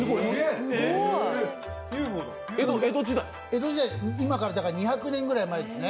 江戸時代、今から２００年ぐらい前ですね。